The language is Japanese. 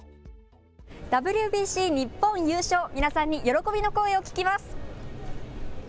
ＷＢＣ、日本優勝、皆さんに喜びの声を聞きます。